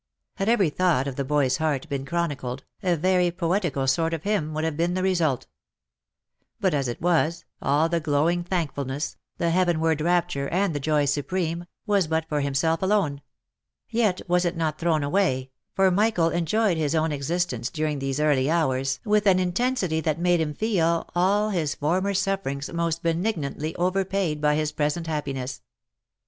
Had every thought of the boy's heart been chronicled, a very poetical sort of hymn would have been the re sult; but as it was, all the glowing thankfulness, the heavenward rapture, and the joy supreme, was but for himself alone — yet was it not thrown away, for Michael enjoyed his own existence during these early hours with an intensity that made him feel all his former sufferings mostbenignantly overpaid by his present happiness.